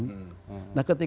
mereka kan mudah ikut pemilu